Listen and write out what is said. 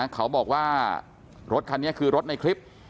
เขาบอกว่ารถคันนี้คือรถในคลิป